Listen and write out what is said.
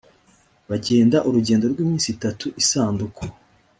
bagenda urugendo rw iminsi itatu isanduku